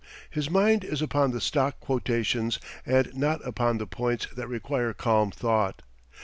His mind is upon the stock quotations and not upon the points that require calm thought.